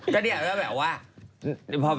ก็เนี่ยก็แบบว่า